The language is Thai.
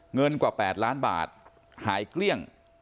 เงินกว่า๘ล้านบาทหายเกลี้ยง